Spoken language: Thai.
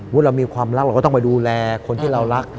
เรามีความรักเราก็ต้องไปดูแลคนที่เรารัก